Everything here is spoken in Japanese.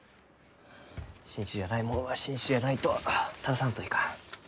新種じゃないもんは新種じゃないと正さんといかん。